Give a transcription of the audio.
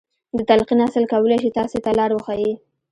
د تلقين اصل کولای شي تاسې ته لار وښيي.